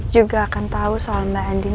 juga akan tahu soal mbak andi